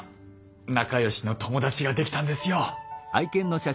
仲良しの友達ができたんですよ。